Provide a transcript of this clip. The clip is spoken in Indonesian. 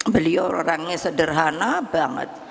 beliau orangnya sederhana banget